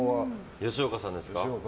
吉岡さんですか。